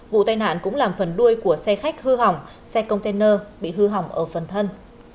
vụ tai nạn cũng làm phần đuôi của xe khách hư hỏng xe container bị hư hỏng ở phần thân